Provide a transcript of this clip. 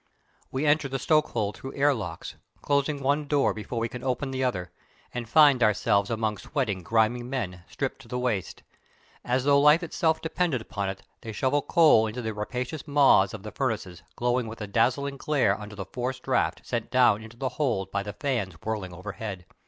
We enter the stokehold through air locks, closing one door before we can open the other, and find ourselves among sweating, grimy men, stripped to the waist. As though life itself depended upon it they shovel coal into the rapacious maws of furnaces glowing with a dazzling glare under the "forced draught" sent down into the hold by the fans whirling overhead.